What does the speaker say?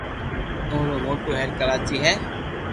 اورو موٽو ھير ڪراچي ھي